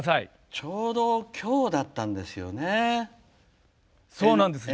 ちょうどきょうだったんですよね。